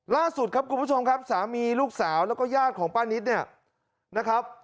ล่าสุดครับคุณผู้ชมครับสามีลูกสาวแล้วก็ญาติของป้านิตเนี่ยนะครับ